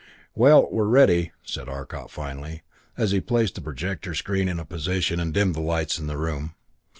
"Well, we're ready," said Arcot finally, as he placed the projector screen in position and dimmed the lights in the room.